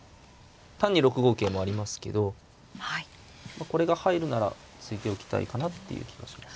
単に６五桂もありますけどこれが入るなら突いておきたいかなっていう気がします。